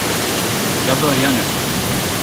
Jag börjar nu.